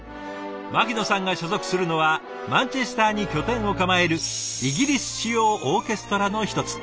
牧野さんが所属するのはマンチェスターに拠点を構えるイギリス主要オーケストラの一つ。